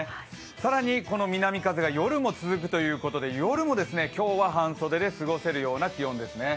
更にこの南風が夜も続くということで夜も今日は半袖で過ごせるような気温ですね。